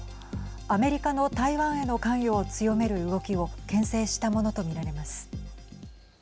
アメリカの台湾への関与を強める動きをけん制したものとみられます。